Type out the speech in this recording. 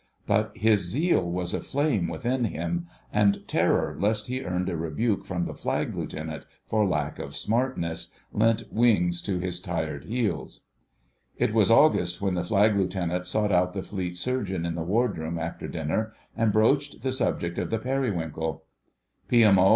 But his zeal was a flame within him, and terror lest he earned a rebuke from the Flag Lieutenant for lack of smartness, lent wings to his tired heels. It was August when the Flag Lieutenant sought out the Fleet Surgeon in the Wardroom after dinner, and broached the subject of the Periwinkle. "P.M.O.